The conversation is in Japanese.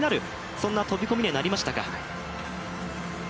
そんな飛び込みにはなりましたか？